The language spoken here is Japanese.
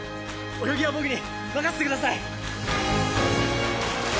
泳ぎは僕に任せてください。